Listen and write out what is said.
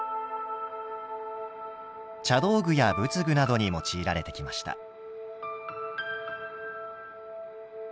茶道具や仏具などに用いられてきました。